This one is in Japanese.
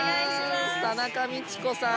田中道子さん！